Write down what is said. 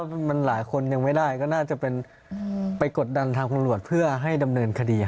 ถ้ามันหลายคนยังไม่ได้ก็น่าจะไปกดดันทางคุณรวชเพื่อให้ดำเนินคดีให้ครับ